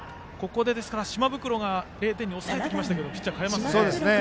島袋が０点に抑えてきましたがピッチャー代えますね。